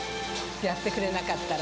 やってくれなかったら。